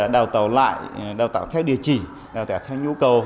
đào tạo lại đào tạo theo địa chỉ đào tạo theo nhu cầu